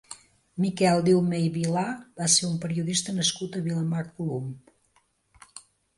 Miquel Diumé i Vilà va ser un periodista nascut a Vilamacolum.